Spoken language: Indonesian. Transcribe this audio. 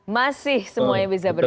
masih semuanya bisa berubah